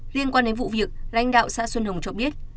liên quan đến vụ việc lãnh đạo xã xuân hồng cho biết